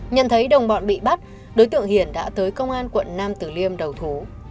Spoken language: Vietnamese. nhận thấy đồng bọn bị bắt đối tượng hiển đã tới công an quận nam tử liêm đầu thú